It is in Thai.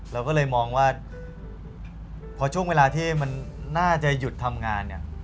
เราก็เลยมองว่าพอช่วงเวลาที่มันน่าจะหยุดทำงานเนี่ย